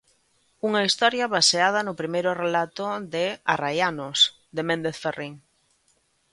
Unha historia baseada no primeiro relato de 'Arraianos' de Méndez Ferrín.